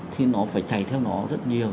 thì nó phải chạy theo nó rất nhiều